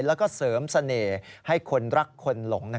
แล้วก็เสริมเสน่ห์ให้คนรักคนหลง